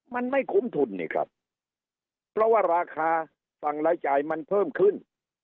มันไม่คุ้มทุนนี่ครับเพราะว่าราคาฝั่งรายจ่ายมันเพิ่มขึ้น